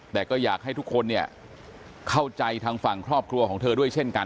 แต่ก็อยากให้ทุกคนเนี่ยเข้าใจทางฝั่งครอบครัวของเธอด้วยเช่นกัน